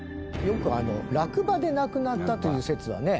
よく落馬で亡くなったという説はね